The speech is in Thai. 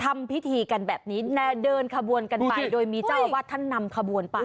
ทำพิธีกันแบบนี้นะเดินขบวนกันไปโดยมีเจ้าอาวาสท่านนำขบวนไป